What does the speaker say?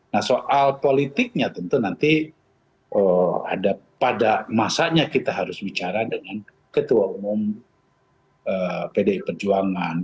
nah soal politiknya tentu nanti ada pada masanya kita harus bicara dengan ketua umum pdi perjuangan